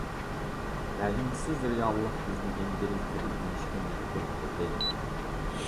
رەھىمسىز رېئاللىق بىزنى ئىنگلىز تىلى ئۆگىنىشكە مەجبۇر قىلدى.